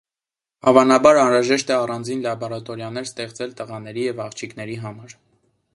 Հավանաբար անհրաժե՞շտ է առանձին լաբորատորիաներ ստեղծել տղաների և աղջիկների համար։